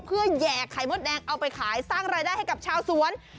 เพื่อแห่ไข่มดแดงเอาไปขายสร้างรายได้ให้กับชาวสวน